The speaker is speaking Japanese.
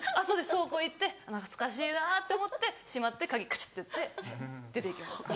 倉庫行って懐かしいなぁって思ってしまって鍵カチャってやって出ていきます。